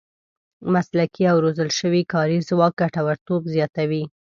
مسلکي او روزل شوی کاري ځواک ګټورتوب زیاتوي.